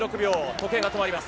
時計が止まります。